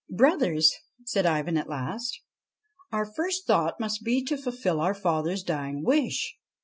' Brothers,' said Ivan at last, ' our first thought must be to fulfil our father's dying wish.